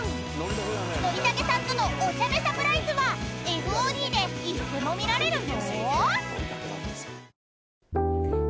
［憲武さんとのおちゃめサプライズはＦＯＤでいつでも見られるよ］